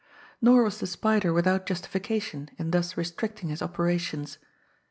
Nor was the Spider without justification in thus restricting his operations.